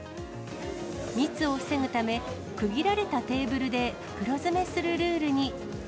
密を防ぐため、区切られたテーブルで袋詰めするルールに。